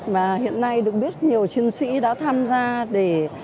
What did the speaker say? và hiện nay được biết nhiều chiến sĩ đã tham gia để